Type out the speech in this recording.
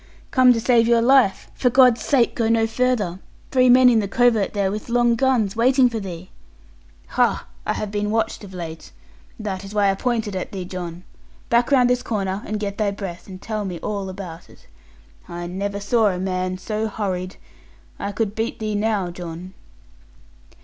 'Come to save your life. For God's sake, go no farther. Three men in the covert there, with long guns, waiting for thee.' 'Ha! I have been watched of late. That is why I pointed at thee, John. Back round this corner, and get thy breath, and tell me all about it. I never saw a man so hurried. I could beat thee now, John.'